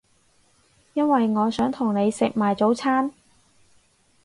因為我想同你食埋早餐